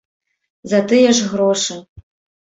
За тыя ж грошы.